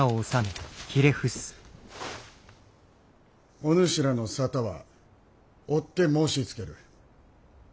お主らの沙汰はおって申しつける！